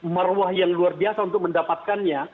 marwah yang luar biasa untuk mendapatkannya